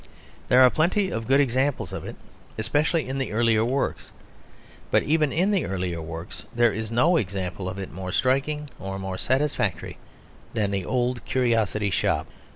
There are plenty of good examples of it especially in the earlier works. But even in the earlier works there is no example of it more striking or more satisfactory than The Old Curiosity Shop.